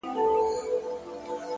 پوهه د انسان افق پراخوي.!